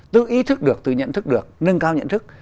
tự ý thức được tự nhận thức được nâng cao nhận thức